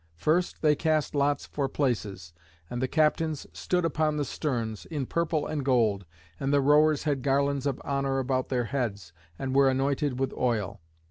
First they cast lots for places, and the captains stood upon the sterns, in purple and gold, and the rowers had garlands of honour about their heads and were anointed with oil.